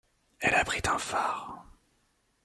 Elle abrite un phare.